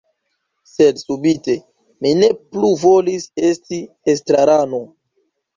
Sed subite… mi ne plu volis esti estrarano.